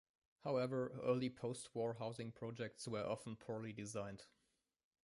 However, early post-war housing projects were often poorly designed.